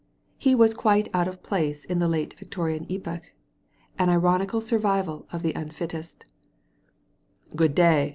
He was quite out of place in the late Victorian epoch — an ironical survival of the unfittest "Good day!"